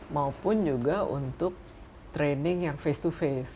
maupun juga untuk training yang face to face